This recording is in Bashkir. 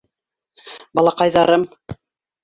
Балаҡайҙарым!